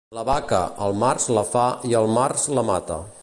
La vaca, el març la fa i el març la mata.